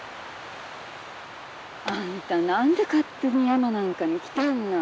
あんた何で勝手に山なんかに来たんや。